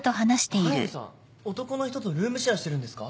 速見さん男の人とルームシェアしてるんですか？